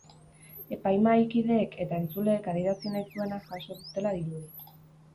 Epaimahai-kideek eta entzuleek adierazi nahi zuena jaso dutela dirudi.